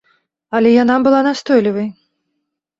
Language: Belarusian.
Але яна была настойлівай.